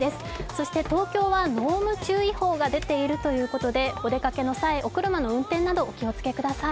そして東京は濃霧注意報が出ているということでお出かけの際、お車の運転などお気をつけください。